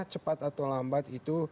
cepat atau lambat itu